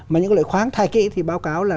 mà những loại khoáng thạch thì báo cáo là